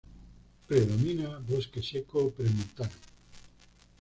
Predomina Bosque Seco Premontano.